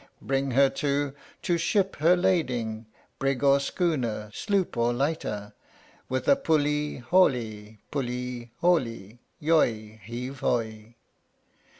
Bring her to, to ship her lading, brig or schooner, sloop or lighter, With a "pull'e haul'e, pull'e haule, yoy! heave, hoy!"